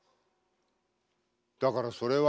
だからそれは。